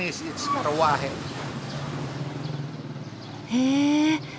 へえ。